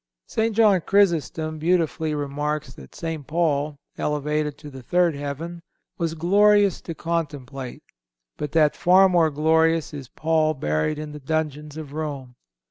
St. John Chrysostom beautifully remarks that St. Paul, elevated to the third heaven, was glorious to contemplate; but that far more glorious is Paul buried in the dungeons of Rome.